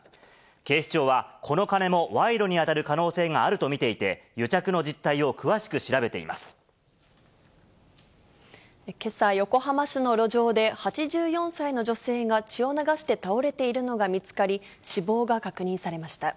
警視庁は、この金も賄賂に当たる可能性があると見ていて、癒着の実態を詳しけさ、横浜市の路上で８４歳の女性が血を流して倒れているのが見つかり、死亡が確認されました。